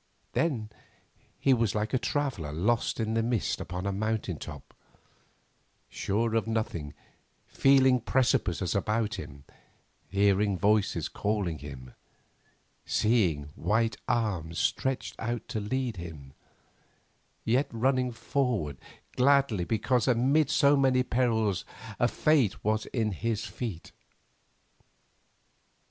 Then he was like a traveller lost in the mist upon a mountain top, sure of nothing, feeling precipices about him, hearing voices calling him, seeing white arms stretched out to lead him, yet running forward gladly because amid so many perils a fate was in his feet.